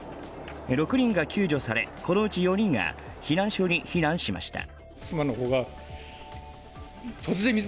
６人が救助されこのうち４人が避難所に避難しました。